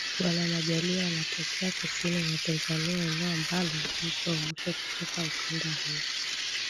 Bwana Majaliwa anatokea kusini mwa Tanzania eneo ambalo mtu wa mwisho kutoka ukanda huo